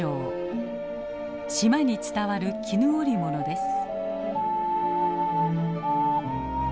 島に伝わる絹織物です。